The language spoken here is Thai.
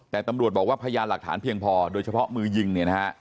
แต่ตำรวจบอกว่าพยานหลักฐานเพียงพอโดยเฉพาะมือยิงเนี่ยนะฮะ